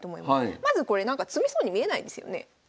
まずこれ詰みそうに見えないですよね。